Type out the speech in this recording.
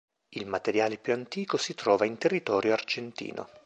Il materiale più antico si trova in territorio argentino.